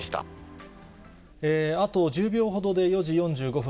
あと１０秒ほどで４時４５分、